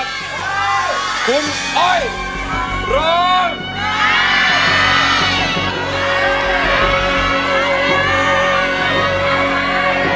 จับมือประคองขอร้องอย่าได้เปลี่ยนไป